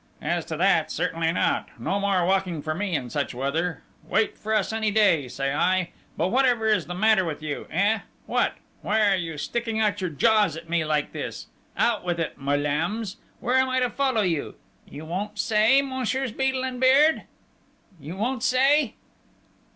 "As to that, certainly not!... No more walking for me in such weather. Wait for a sunny day, say I!... But whatever is the matter with you eh?... What?... Why are you sticking out your jaws at me like this? Out with it, my lambs!... Where am I to follow you?... You won't say, Messieurs Beadle and Beard? "You won't say?..."